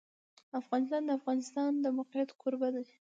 افغانستان د د افغانستان د موقعیت کوربه دی.